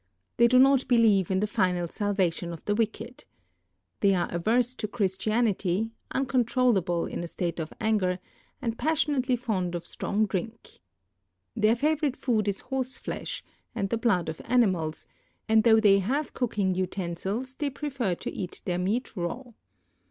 They do not believe in the final salvation of the wicked. They are ave!*se to Chris tianity, nncontrollable in a stateof anjjer, and passionately fond of stront; drink. Their favorite food is horse Hesh ami the blood of animals, an<l though they have cooking utensils they i)refer to eat their meat raw.